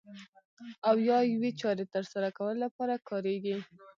او یا یوې چارې ترسره کولو لپاره کاریږي.